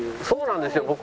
そうなんですよ